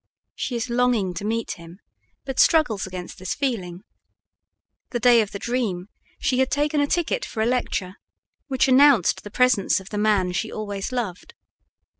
She is longing to meet him, but struggles against this feeling. The day of the dream she had taken a ticket for a lecture, which announced the presence of the man she always loved.